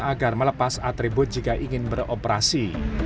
agar melepas atribut jika ingin beroperasi